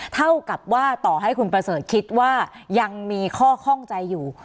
เท่ากับว่าต่อให้คุณประเสริฐคิดว่ายังมีข้อข้องใจอยู่